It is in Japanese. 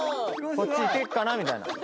こっち行けっかなみたいな。